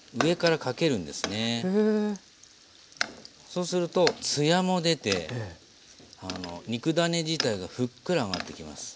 そうするとツヤも出て肉ダネ自体がふっくら上がってきます。